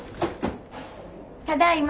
ただいま。